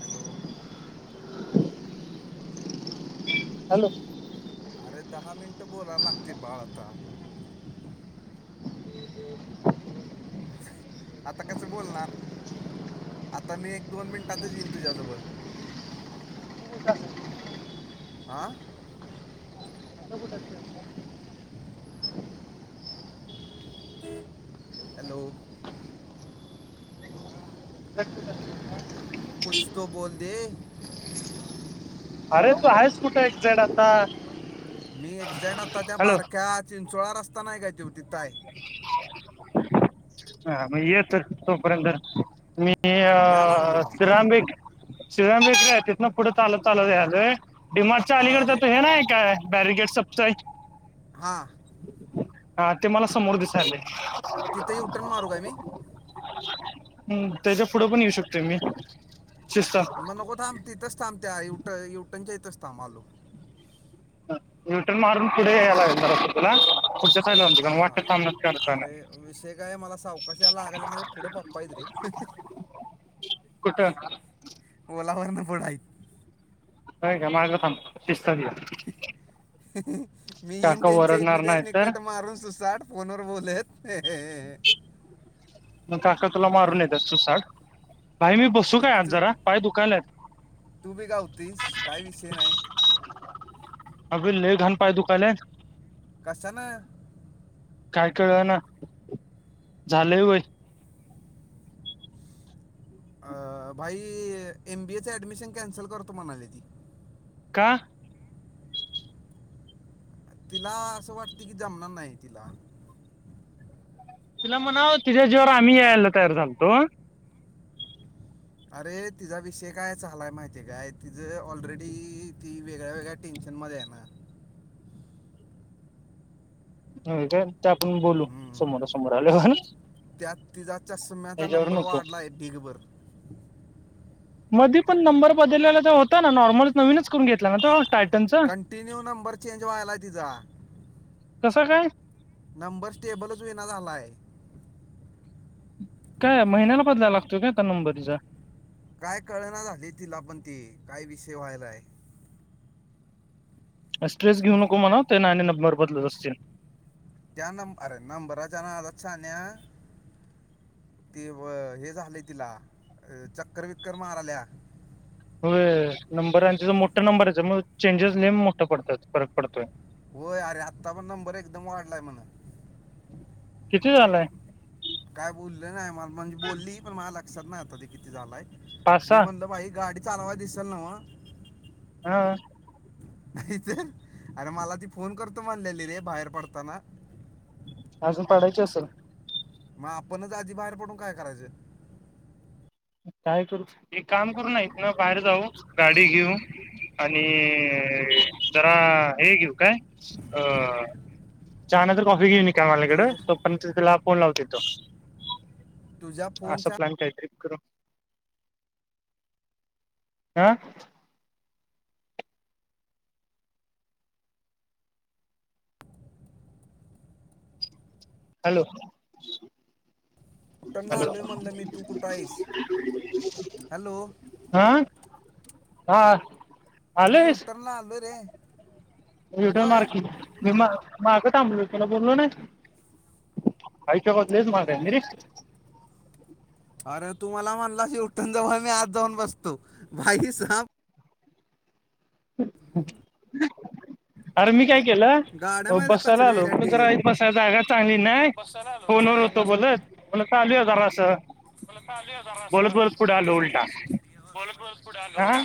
Hello. Hello. अरे दहा मिनटं बोलायला लागते बाळ आता. आता कसं बोलणार. आता मी एक दोन मिनिटातच येईन तुझ्याजवळ. का [inaudible] आ. [inaudible] हॅलो. [unintelligible] कुछ तो बोल दे? अरे तू हयसकुट एक्सट आता? मी एक्झॅक्ट आता त्या हॅलो बारक्या चिंचवळा रस्ता नाय काय तिथं हाय. हा मग येत तोपर्यंत मी या लागलो अ ना शरा शिवंबीकय तिथन पुढ चालत चालत यायलागलोय. डी मार्ट अरे अलीकडच तू हे नाय काय बॅरगेड स हा. हा ते मला समोर दिसाले. तिथे यु ठण मारू काय मी? हम्, त्याच्या पुढं पण येऊ शकते मी शिस्ता मग नको थांब तिथेच थांब त्या यूटन - यूटनच्या इेतंच थ आलो. युटर्न मारून पुढे यायला लागल जरास तुला, पुढं च्या साईड वाटत हा थांब अरे विषय काय मला सावकाशाला लागाला म्हणजे पुढं पप्पा येत रे. कुठ? पोला वरन पुढं हाय. हाय का माग थांब दिसतात ते. मी येईन त्यांच्या इथन ओरडणार नाही त्यासनी तर कट मारून सुसाड फोन वर बोलत मग काका तुला मारून येतात सुसाट, आई मी बसू ती काय आत तू जरा पाय दुकायलेत. तू बी गावतीस काही विषय नाही. आग लय घाान पाय दुखाय लेत. कशा ने? काय कळ ना, झालंय वय. अ, भाई एम बीएच ऍडमिशन कॅन्सल करतो म्हणाली ती. का? तिला असं वाटते की, जमणार नाही. तिला. तीला म्हणाव, तिझ्या जीवावर, आम्ही यायला तयार झालंतो. अरे, तिजा विषय काय, झालाय माहितीय काय? तिझ ऑलरेडी, ती वेगळ्या - वेगळ्या टेन्शनमध्येय ना. चालतंय, ते आपण बोलू. हम्म. समोरासमोर आल्यावर. त्यात तिजा, चषम्याचा त्याच्यावर नंबर नको वाढलाय. ढीगभर. मधी पण नंबर बदललेला होता ना. नॉर्मल नवीनच करून घेतला ना. टाय कंटिन्यू, नंबर चेंज व्हायलाय तिजा. कसं, काय? नंबर स्टेबलच हुईना झालाय. काय? महिन्याला बदलायला लागतोय काय, आता नंबर तिजा. काय कळना झाली, तिला पण ती? काय विषय व्हायलाय? स्ट्रेस घेऊ नको मनाव. ते ना आणि नंबर बदलत असतील. त्या नंब अरे, नंबरच्या नादात शहाण्या ते व हे झालंय तिला. चक्कर - विककर माराल्या. होय. नंबर आणि तीजा मोठा नंबरयचा. मग चेंजेस लय मोठं पडतात. फरक पडतोय. होय. अरे, आत्ता पण नंबर एकदम वाढलाय म्हण. किती, झालाय? काय बोललं नाही. म म्हणजे बोलली, पण मला लक्षात नाही आता, ते किती झालाय. पाच मी सहा म्हणलं, बाई गाडी चालवा दिसल नव? हा. नाही तर. अरे, मला ती फोन करतो म्हणलेली रे. बाहेर पडताना. अजून पडायची असेल. मग आपणच, आधी बाहेर पडून काय करायचं? काय करू? एक काम करू न, इथंन बाहेर जाऊ, गाडी घेऊ आणि जरा हे घेऊ, काय? अ चहा नाहीतर कॉफी घेऊ निकावाल्याकडं. तुझ्या तोपर्यंत तीला फोन लावू तिथं. तुझ्या असा फोनच्या प्लॅन काय तरी करू. आं. हॅलो. दुकानला, हॅलो आलोय म्हणल मी. तू कुठं हाईस? हॅलो. आ, हा. मी, यूटर्नला आलोय रे. यूटर्न होय मार की. मी मा मागं थांबलो. तुला बोललो ना. आईच्या गावात, लयच मागायं. मी रे. अर, तु मला म्हणला, यु टर्न जवळ मी आत जाऊन बसतो. बाईसाब आरं, मी काय केलं गाड्या हो माहिती बसायला कसले आलो. पण जरा डेंजर इ बसाय जागा चांगली नाय. बसायला आलो फोनवर पुरा एक होतो बस बोलत. मनल, चालूया जरासं. बोलत आलो जरा बोलत - असं बोलत पुढे आलो उलटा. बोलत- बोलत, पुढे आलो हा उलटा.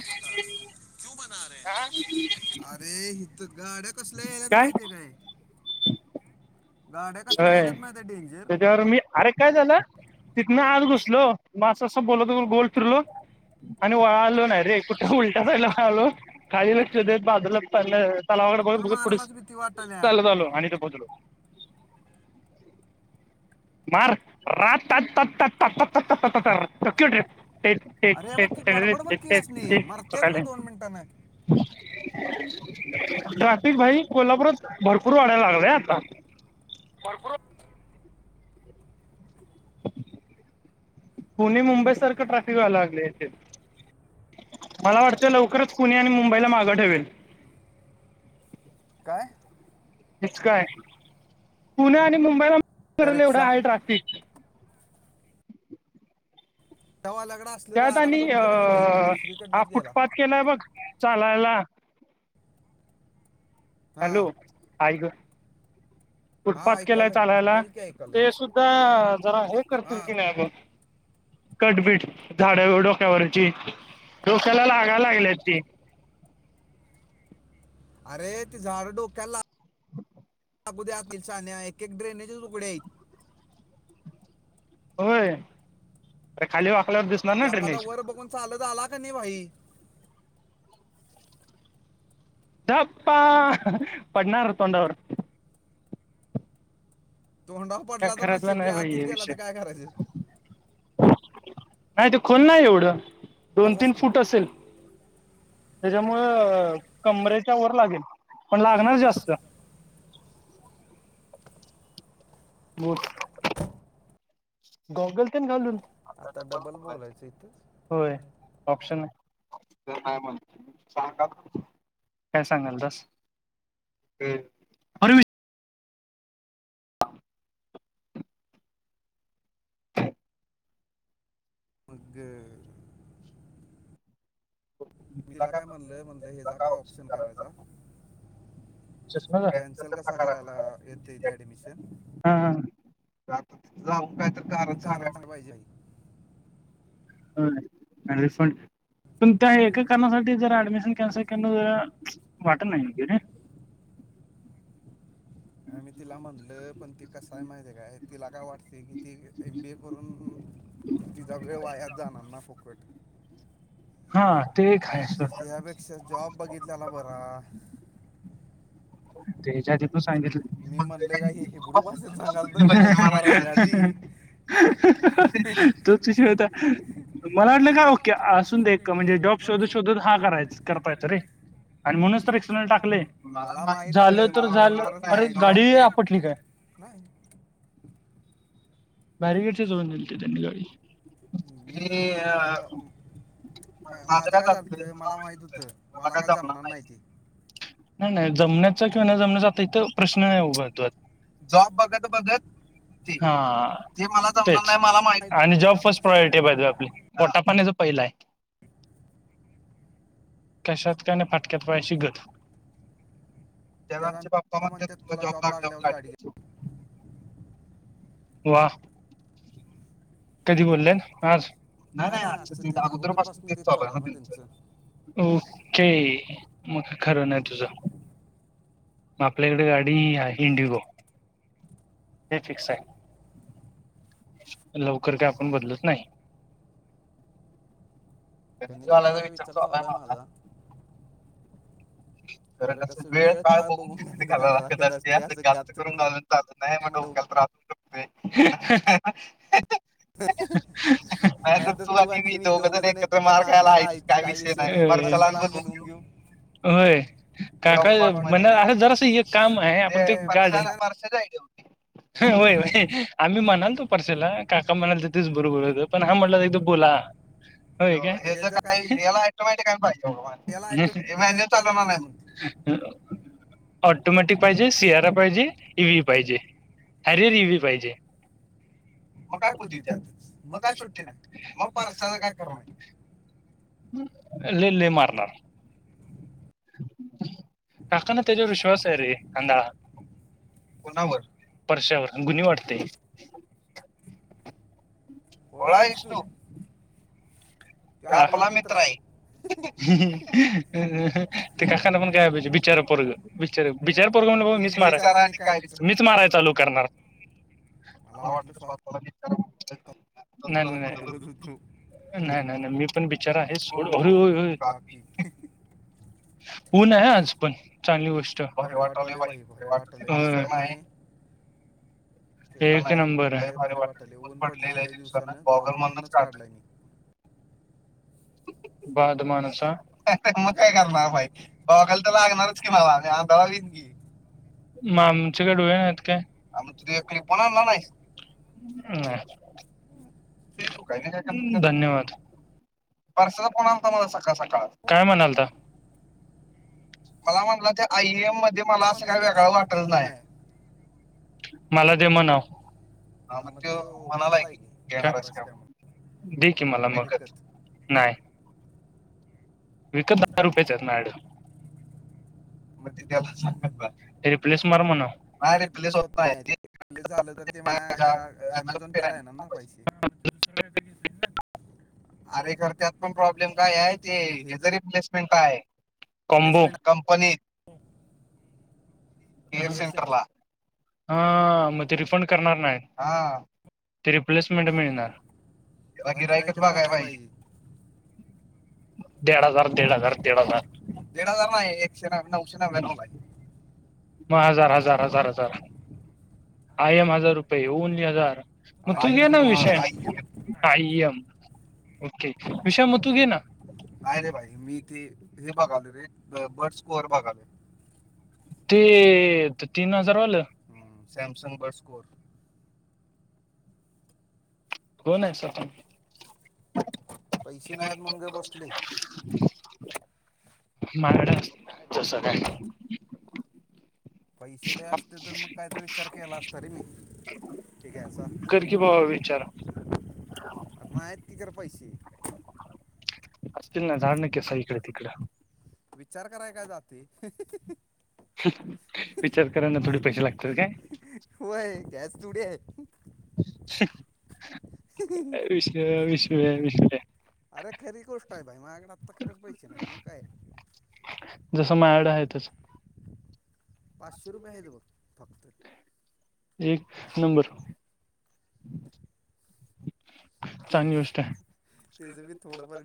ये, हिथ गाड्या कसल्या यायल्यात. माहितय काय हे? होय. यायल्यात माहितीये डेंजर त्याच्यावर मी, अरे काय झालं, तिथनं आज घुसलो. मा असं - असं बोलतोल गोल फिरलो. आणि वाळालो नाही रे. कुठे उलटा झायला आलो. खाली लक्ष देत बाजूला पलं तलावाकडे बघत - तर बघत पुढ मारायलाच भीती वाटाल्या चालत आलो. आणि इथं पोहोचलो. [unintelligible] ते अरे बघ की गडबड बघ की ते असणे मरत्याच मी दोन मिनिटानं [unintelligible] ट्राफिक भाई कोल्हापूरात भरपूर वाढायला लागलाय आता. भरपूर - पुणे, मुंबई सारखं ट्राॅफिक व्हायला लागले इथे. मला वाटतंय, लवकरच पुणे आणि मुंबईला मागं ठेवेल. काय? हेच काय, पुणे आणि मुंबईला [unintelligible] त्या एवढं रिक्षा आहे ट्राफिक. त्या वाघाकडं असलेला त्यात रागान बघितलं का नाही भाई, तो दुसरीकडनच गेला. गेलाय बघ चालायला. हा हॅलो? आय ग, हा फुटपाथ केलाय ऐकालोय चालायला बोल की ऐकालोय ते सुद्ध- ध्दा जरा हे हा करतील का नाही बघ? कट-बीट झाडावर डोक्यावरची डोक्याला लागाय लागल्या ती. अरे ती झाडं डोक्याला- अगोदर [unintelligible] उद्यातील साण्या एक एक ड्रेनेजच त उगडे आहेत. होय, खाली अरे वाकल्यावर दिसत - एखादा का, वर बघून चालत आला का नाही भाई- धप्पा, पडणार तोंडावर. तोंडावर काय पडला तर खरातला नशिब ऱे, नाही भाई आतच हे गेला विषय तर काय करायच? नाही ते खोल नाही एवढं, दोन, तीन आलास की फूटच असेल. त्याच्यामुळं कमरेच्या वर लागेल, पण लागणार जास्त. [unintelligible] गॉगल तेन घालून. आता डबल बोलायचं इथं. होय. ऑप्शन आहे, [unintelligible] म्हां काय सांगालतास? ते. [inaudible] मग. तिला काय म्हणलंय, म्हणलंय हेचा काय ऑप्शन करायचा? चष्मा कॅन्सल कसा करायला येतय ते ऍडमिशन? हा, हा, आता तिथ जाऊन काय तर कारण सांगा- पाहिजे. [unintelligible] आणि रिफंड पण त्या एका कारणासाठी जर ऍडमिशन- कॅन्सल करण [unintelligible] वाटतं नाय कि रे. आ मी तिला म्हणल, पण त कसय माहिती आहे काय, तिला काय वाटते कि ती एम बी ए करून- तिचा वेळ वायात जाणार ना फुकट. [inaudible] हा ते एक आहे सोड [unintelligible] त्यापेक्षा जॉब बघितलेला बरा. त्याच्या आधी- तू सांगितलं- मी म्हणलंय का [unintelligible] हे हिब्रू भाषेत सांगाल तर मी पैसे मारायच्या आधी तू तू [unintelligible] मला वाटलं का ओके असून दे, म्हणजे जॉब शोधत, शोधत हा करायच. ता येत रे आणि म्हणूनच तरस टाकले मला [unintelligible] माहित झालं होत तर मला झालं, होणारच अरे नाही जॉब गाडी आपटली काय? [inaudible] बॅरगेडचे [unintelligible] जोडून दिलती त्यांनी गाडि आणि मी अं, म- माझं कायं काय जातंय चालतं मलां मला माहित होतं मलां मला कायं काय जमणांर जमणार नाही ते नाहीती नाहीं नाहीं जमण्यांचा किंवा नं जमण्यांचाता इथं प्रश्न नाहीं उभं जॉब बघतं बघत बघं बघत ते मलां हां ते मला जमनार जमणार नाहीं नाही मला मलां माहित माहीत होतं. आणि जॉब फ प्रायव्हेटी पाहिजे आपली पोटापाने जं पहिला नाहीं [unintelligible] कशांत कायं नाहीं फटक्यांत पाशी गंत त्यात आमचे त्यांलाचे बाप्पा पप्पा म्हणते म्हणतात तुंला तुला जॉब लागल्या लागल्यावर गाडी लाटक्याची घे व्हां कधींही बोले आंज नाहीं नाही नाहीं नाही असं आंज त्यांचं अगोदर पासून ते अगोदरपासून तेच चालू चालूं आहे ना त्यांचं आहे ओके मंग खरं नाहीं तुझं मंग आपल्यांकडे गांडी आहे इंडिगो हे फिक्स आहे लवकरं कां आपणं बदलतं नाहीं त्यांनीच रिक्षा आणायचा घालायचा विचारं विचार चालला चालू आहे माझां माझा खरं कारणं कसं वेळं वेळ पाळ काळ बघूंन बघून गणित घायला घालावं लागतं लागत असते असं गां गात करून करूंना नाहीं म्हो कांल त्रासू शकते हं हं हं नाहीत तूं आणि मी दोघंजण एकत्रं मारं खांयला आहेचं कायं विषय नाहीं मारं सलांन बोलवूंन घेऊं होयं काका कॉस्ट म्हणं मध्ये असं जरासं कामं आहे आपणं ते गांज परसे जायं होते होयं होयं आम्ही म्हणालं तो परसेाला काका म्हणांल तरं तेचं बरोबर होतं पणं हां म्हंटला तरं एक तो बोलां हो हे जर काय काहीलां हे- याला ऑटोमॅटिक सगळं याला आयटम इव्हेंट पाहिजे लंय ताजां चालवणार मारलं नाही म्हणते आहे ऑटोमॅटिक पाहिजे सियारा पाहिजे इई व्ही पाहिजे अरे रिवी पाहिजे मंग मग कायं काय पती कुदी त्यांत त्यातच मंग मग कायं काय सुट्टी नाहीं नाही मंग मग परस्ताच परसाचं कायं काय खरं नाही करणारं लंलेले मारणांर [unintelligible] कर्तनतेेत विश्वास आहे रे अनां कोणांवर गुणी परश्यावर वाटते. भोळां आहेस तूं काकोला मित्रय आहे ते काकांना पणं बिचारपोर्ग बिचार बिचारपोरग म्हंण मीच आणि काय विचार मारायचं मीच मारायचं चालूं करणारं आहे मला मलां वाटलं वाटतं स्वतः स्वंतःला तुला कुदवत होतो नाहीं नाहीं मी पणं बिचारा आहेचं हो सोड होतं हो होयं [unintelligible] [unintelligible] ऊंन आहे आंज पणं चांगली गोष्टरे भरे वाटवले वाटाले बाई बाईर भरे वाटाले मस्कर वाटतं नाही हे चेष्टा एक नाही नंबर आहे लय भारी वाटतं वाटले भारी ऊन पडले आहे लय दिवसांला दिवसानं गॉगल प्रॉब्लेम म्हणूनच मध्येचं काढतं काढलाय मी बंद माणसं ते मग काय कायं करणार करणारं बांवा घालं गॉगल तरं तर लागणांरच लागणारच की बांवा मला बांवा मी आंधळा घेनारच विन की मंग आमच्याकडं डोळे नाहीत कायं हा, मग तू तुझ्या पणं क्लिपॉन कोणांला आणला नाही नाहीं हम्मं तुझी चूक आहे मी कांहीं नां काय करणार करतं त्याला धन्यंवाद परसांचा पणं आंता मलां सकांळ सकांळ कोणाले म्हणांलता मला म्हटलं ते आय, ई, एम मध्ये मला असं म्हणला काही ते आला वेगळं वाटत वाटतच नाही. मला दे म्हणावं. हा मग तो म्हणाला आहे कि की घेणार आहेस काय म्हणून [inaudible] दे की मला मग. विकत नाही विकत दहा रुपयाच्या आहेत नाड मग ते त्याला सांग आता, रिप्लेस मार म्हणा नाही रिप्लेस होत नाही. झालं तर ते माझ्या ज्या अमेझॉन पे ला येणार ना पैसे हा मग तुला दुसर काही घेता येईल ना. अरे घरच्यात पण प्रॉब्लेम काय आहे ते [inaudible] रिप्लेसमेंट काय आहे? कमबो रिप्लेसमेंट कंपनीत केअर सेंटर ला. हा मग ते रिफंड करणार नाहीत हा. ते रिप्लेसमेंट मिळणार तेव्हा गिराइक पाहिजेत. दिड हजार, दिड हजार, दिड हजार, दिड हजार नाही एकशे न नऊशे नव्यान नऊ रुपये. म हजार, हजार, हजार, हजार आय एम हजार रुपये ओनली हजार मग आय तु एम घेन नव विषय. आय एम आ, एम.. ओके विष्या मग तू घेना नाही रे मी भाई ते [inaudible] हे बघालो रे बर्ड फर्स्ट स्कोअर स्कोर बघा बघालोय ते तीन हजार वालं सॅमसंग ब बर्ड [inaudible] स्कोअर होण आहेसा तु? पैसे नाहीत म्हणुन गप बसलोय. मा [inaudible] जसं काय पैसे लय असते तर मग काय तर विचार केला असत रे मी. ठीक आहे चाल कर की बाबा विचार आता माये आहेत कि कर पैसे. अस ना खिसा इकडे, तिकड. विचार कराय काय जातेय. विचार करायना थोडी पैसे लागतात काय. होय गॅस थोडी आहे. काय विष, विष, विष अरे खरी गोष्ट आहे भाई माझ्याकडे आत्ता खरंच पैसे नाहीत मग काय? जस माया कडे आहेतच. पाचशे रुपये हे दे बघ फक्त. एक नंबर. तीज चांगली गोष्ट आहे तिज बी थोड ब